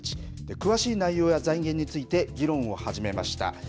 詳しい内容や財源について議論を始めました。